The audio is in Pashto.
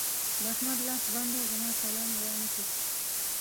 د احمد لاس بند وو؛ زما سلام يې وانخيست.